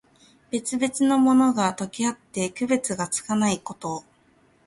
別々のものが、とけあって区別がつかないこと。